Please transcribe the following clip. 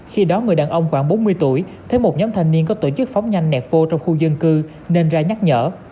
khi đó người đàn ông khoảng bốn mươi tuổi thấy một nhóm thanh niên có tổ chức phóng nhanh nẹt pô trong khu dân cư nên ra nhắc nhở